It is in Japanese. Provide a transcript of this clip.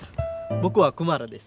僕はクマラです。